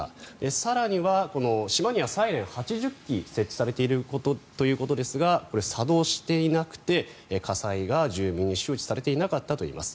更には島にはサイレン、８０基設置されているということですが作動していなくて、火災が住民に周知されていなかったといいます。